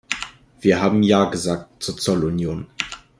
Wir haben ja gesagt zur Zollunion.